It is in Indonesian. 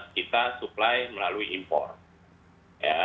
kita supply melalui import ya